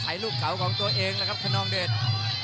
ถ่ายรูปเก่าของตัวเองแล้วครับคนนองเดชน์